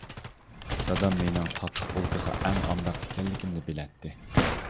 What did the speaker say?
دادام مېنىڭ تاتلىق بولكىغا ئەڭ ئامراق ئىكەنلىكىمنى بىلەتتى.